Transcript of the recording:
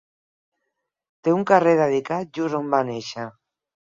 Té un carrer dedicat just on va nàixer.